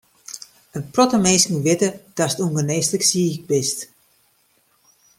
In protte minsken witte datst ûngenêslik siik bist.